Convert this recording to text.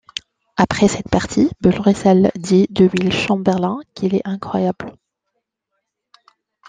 Après cette partie, Bill Russell dit de Wilt Chamberlain qu'il est incroyable.